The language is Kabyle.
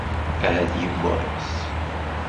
Ahat yewwas.